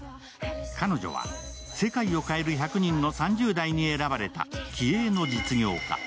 彼女は世界を変える１００人の３０代に選ばれた気鋭の実業家。